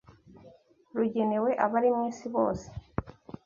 rugenewe abari mu isi bose